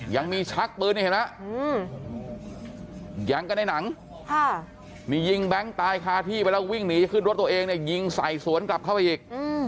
ยังมีชักปืนนี่เห็นไหมยังกันในหนังมียิงแบงค์ตายคาที่ไปแล้ววิ่งหนีขึ้นรถตัวเองเนี่ยยิงใส่สวนกลับเข้าไปอีก